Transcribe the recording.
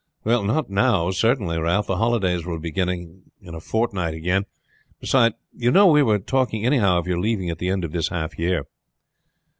"Not now, certainly, Ralph. The holidays will be beginning in a fortnight again; beside, you know, we were talking anyhow of your leaving at the end of this half year."